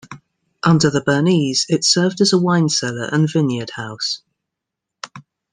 Under the Bernese it served as a wine cellar and vineyard house.